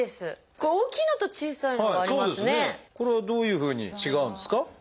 これはどういうふうに違うんですか？